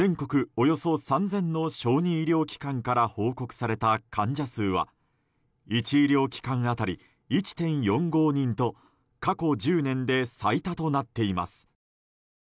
およそ３０００の小児医療機関から報告された患者数は１医療機関当たり１．４５人と過去１０年で最多となっています。